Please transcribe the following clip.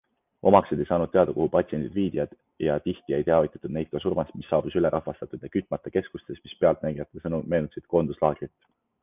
Omaksed ei saanud teada, kuhu patsiendid viidi ja tihti ei teavitatud neid ka surmast, mis saabus ülerahvastatud ja kütmata keskustes, mis pealtnägijate sõnul meenutasid koonduslaagrit.